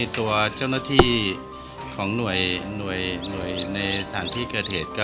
ตัวเจ้าหน้าที่ของหน่วยในฐานที่เกิดเหตุ